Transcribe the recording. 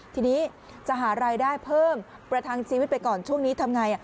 ทีนี้จะหารายได้เพิ่มประทังชีวิตไปก่อนช่วงนี้ทำไง